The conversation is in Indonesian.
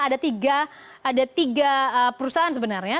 ada tiga perusahaan sebenarnya